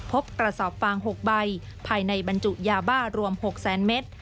พบกระสอบฟาง๖ใบภายในบรรจุยาบ้ารวม๖แสนเมตร